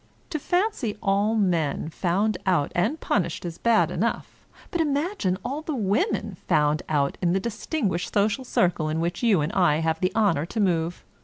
To fancy all men found out and punished is bad enough ; but imagine all the women found out in the distinguished social circle in which you and I have the honor to move.